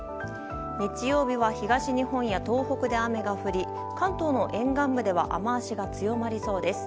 日曜日は東日本や東北で雨が降り関東の沿岸部では雨脚が強まりそうです。